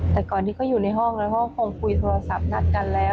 แต่ก่อนที่เขาอยู่ในห้องแล้วเขาก็คงคุยโทรศัพท์นัดกันแล้ว